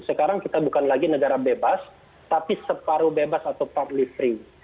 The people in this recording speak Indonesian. sekarang kita bukan lagi negara bebas tapi separuh bebas atau partlivery